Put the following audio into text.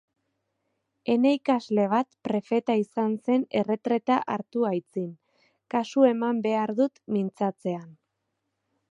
Ene ikasle bat prefeta izan zen erretreta hartu aitzin; kasu eman behar dut mintzatzean.